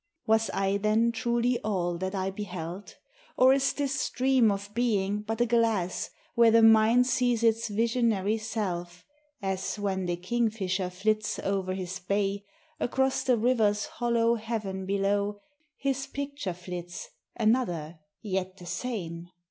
Was I then truly all that I beheld ? Or is this stream of being but a glass Where the mind sees its visionary self, As, when the kingfisher flits o'er his bay, Across the river's hollow heaven below His picture flits, another, yet the same